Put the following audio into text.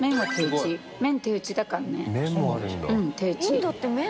インドって麺？